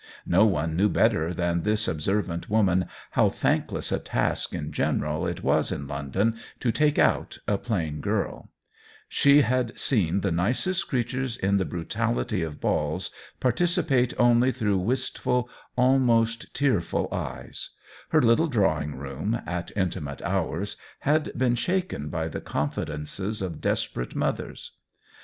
No one knew better than this observ ant woman how thankless a task in general it was in London to " take out " a plain girl ; she had seen the nicest creatures, in the brutality of balls, participate only through wistful, almost tearful eyes ; her little draw ing room, at intimate hours, had been shaken by the confidences of desperate mothers.